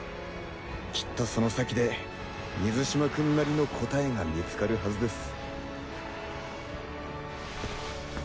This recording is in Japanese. きっとその先で水嶋君なりの答えが見つかるはずです。